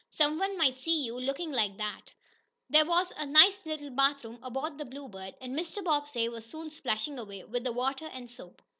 Some one might see you looking like that." There was a nice little bathroom aboard the Bluebird, and Mr. Bobbsey was soon splashing away with the water and soap.